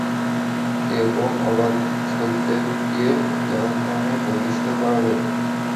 এবং অবাধ্যদেরকে জাহান্নামে প্রবিষ্ট করাবেন।